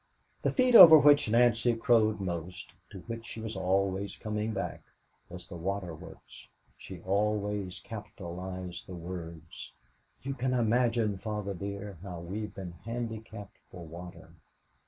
The feat over which Nancy crowed most, to which she was always coming back, was the Water Works. She always capitalized the words: "You can imagine, Father dear, how we've been handicapped for water.